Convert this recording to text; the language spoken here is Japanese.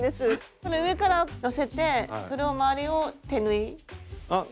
これ上からのせてそれを周りを手縫いで？